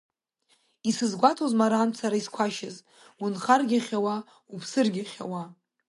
Исызгәаҭозма арантә сара исқәашьыз, унхаргьы ахьауа, уԥсыргьы ахьауа.